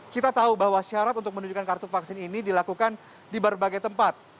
kita tahu bahwa syarat untuk menunjukkan kartu vaksin ini dilakukan di berbagai tempat